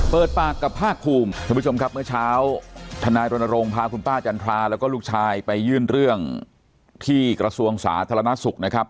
เปิดปากกับภาคภูมิท่านผู้ชมครับเมื่อเช้าทนายรณรงค์พาคุณป้าจันทราแล้วก็ลูกชายไปยื่นเรื่องที่กระทรวงสาธารณสุขนะครับ